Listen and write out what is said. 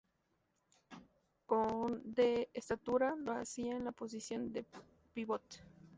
Con de estatura, lo hacía en la posición de pívot.